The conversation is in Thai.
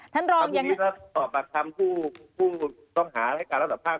ถ้าตอบประคำผู้ต้องหารัฐภาพ